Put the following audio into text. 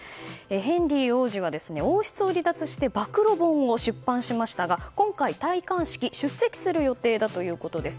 ヘンリー王子は、王室を離脱して暴露本を出版しましたが今回、戴冠式出席する予定だということです。